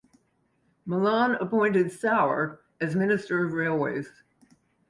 Malan appointed Sauer as Minister of Railways.